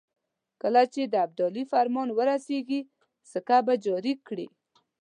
کله چې د ابدالي فرمان ورسېږي سکه به جاري کړي.